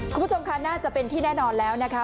คุณผู้ชมค่ะน่าจะเป็นที่แน่นอนแล้วนะคะ